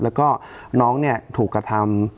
แล้วก็น้องเนี่ยถูกกระทำ